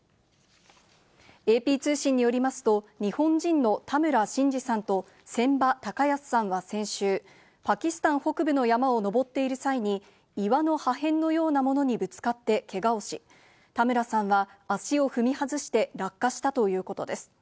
ＡＰ通信によりますと、日本人のタムラ・シンジさんと、センバ・タカヤスさんは先週、パキスタン北部の山を登っている際に、岩の破片のようなものにぶつかってけがをし、タムラさんは足を踏み外して落下したということです。